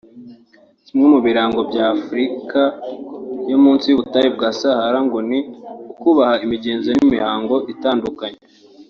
Kimwe mu birango bya Afurika yo munsi y’ubutayu bwa Sahara ngo ni ukubaha imigenzo n’imihango itandukanye